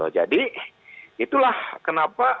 jadi itulah kenapa